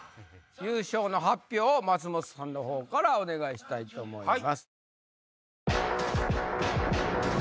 優勝の発表を松本さんの方からお願いしたいと思います。